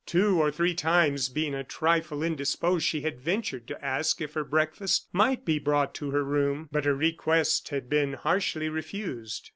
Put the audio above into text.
Two or three times, being a trifle indisposed, she had ventured to ask if her breakfast might be brought to her room, but her request had been harshly refused.